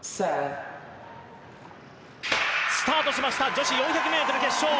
スタートしました女子４００ｍ決勝。